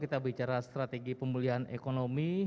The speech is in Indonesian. kita bicara strategi pemulihan ekonomi